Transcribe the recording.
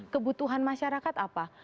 kebutuhan masyarakat apa